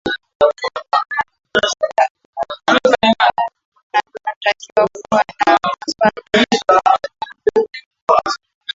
mhutasari unatakiwa kuwa na maswali yatakayoulizwa